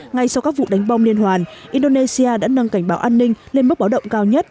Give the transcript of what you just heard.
ngay sau các vụ đánh bom liên hoàn indonesia đã nâng cảnh báo an ninh lên mức báo động cao nhất